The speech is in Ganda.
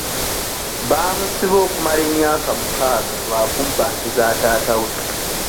Baamusiba okumala emyaka mukaaga lwa kubba nte za taata we.